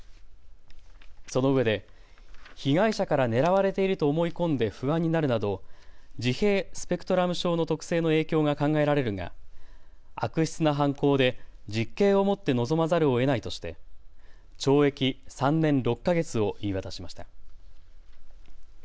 そのうえで被害者から狙われていると思い込んで不安になるなど自閉スペクトラム症の特性の影響が考えられるが悪質な犯行で実刑をもって臨まざるをえないとして懲役３年６か月を言い渡しました。